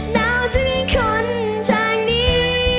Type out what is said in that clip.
เดาจึงขนช่างนี้